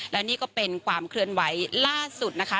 และนี่ก็เป็นความเคลื่อนไหวล่าสุดนะคะ